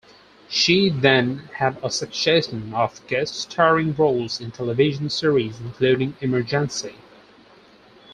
She then had a succession of guest-starring roles in television series including Emergency!